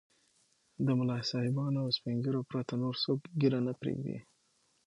له ملا صاحبانو او سپين ږيرو پرته نور څوک ږيره نه پرېږدي.